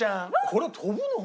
これ飛ぶの？